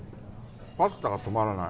パスタが止まらない。